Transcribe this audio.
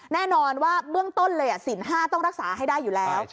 แน่นอนว่าเบื้องต้นเลยสิน๕ต้องรักษาให้ได้อยู่แล้ว